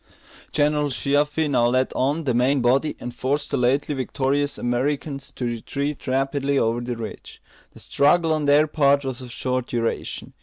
General Sheaffe now led on the main body, and forced the lately victorious Americans to retreat rapidly over the ridge. The struggle on their part was of short duration.